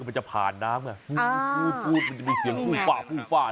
ก็มันจะผ่านน้ำอะอ่าพูดมันจะมีเสียงพลาด